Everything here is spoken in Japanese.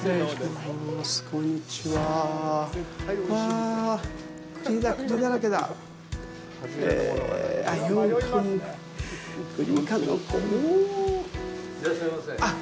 いらっしゃいませ。